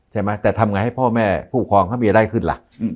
ใช่ไหมแต่ทำไงให้พ่อแม่ผู้ปกครองเขามีอะไรขึ้นล่ะ